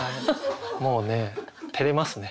もうねてれますね。